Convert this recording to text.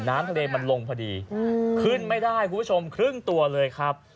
น้ำทะเลมันลงพอดีขึ้นไม่ได้คุณผู้ชมครึ่งตัวเลยครับ